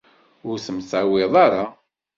Ur temtawiḍ ara.